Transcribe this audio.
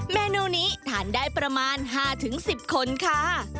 เมนูนี้ทานได้ประมาณ๕๑๐คนค่ะ